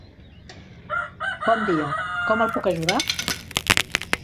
Bon dia, com el puc ajudar?